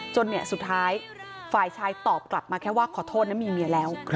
สุดท้ายฝ่ายชายตอบกลับมาแค่ว่าขอโทษนะมีเมียแล้ว